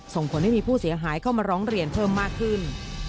ส่งผลให้มีผู้เสียหายเข้ามาร้องเรียนเพิ่มมากขึ้น